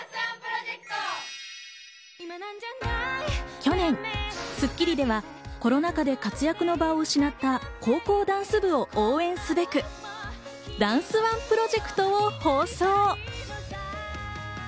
去年『スッキリ』ではコロナ禍で活躍の場を失った高校ダンス部を応援すべくダンスＯＮＥプロジェクトを放送。